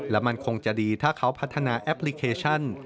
และมันคงจะดีถ้าเขาพัฒนาแอปพลิเคชัน